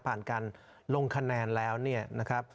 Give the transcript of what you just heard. ผ่านการลงคะแนนแล้วนะครับ